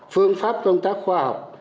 phương pháp công tác khoa học